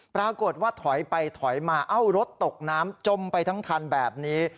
ปรากฏว่าถอยไปถอยมาเอ้ารถตกน้ำจมไปทั้งคันแบบนี้